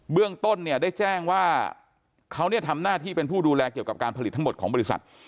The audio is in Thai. เรื่องต้นเนี่ยได้แจ้งว่าเขาทำหน้าที่เป็นผู้ดูแลเกี่ยวกับการผลิตทั้งหมดของบริษัท